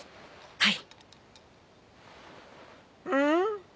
はい。